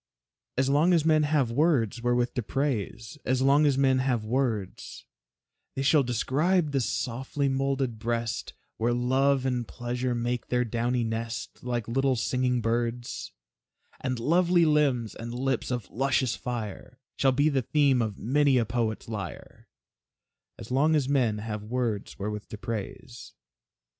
As long as men have words wherewith to praise, As long as men have words, They shall describe the softly moulded breast, Where Love and Pleasure make their downy nest, Like little singing birds; And lovely limbs, and lips of luscious fire, Shall be the theme of many a poet's lyre, As long as men have words wherewith to praise.